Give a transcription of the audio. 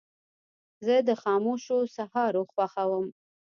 زه د خاموشو سهارو خوښوم.